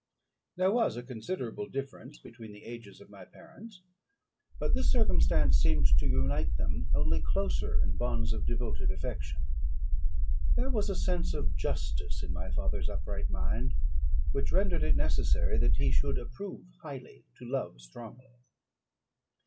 There was a considerable difference between the ages of my parents, but this circumstance seemed to unite them only closer in bonds of devoted affection. There was a sense of justice in my father's upright mind, which rendered it necessary that he should approve highly to love strongly.